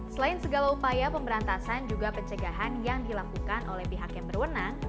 selain segala upaya pemberantasan juga pencegahan yang dilakukan oleh pihak yang berwenang